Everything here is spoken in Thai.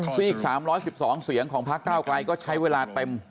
สสสของพกก็ใช้เวลาเต็ม